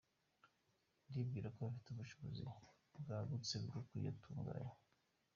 Ndibwira ko bafite ubushobozi bwagutse bwo kuyatunganya.